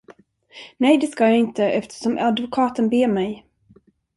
Nej, det ska jag inte, eftersom advokaten ber mig.